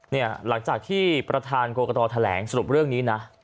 หลังจากที่ประธานกรกตแถลงสรุปเรื่องนี้นะ